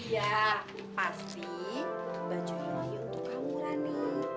ya pasti baju ini lagi untuk kamu rani